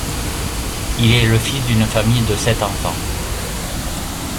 Il est fils d’une famille de sept enfants.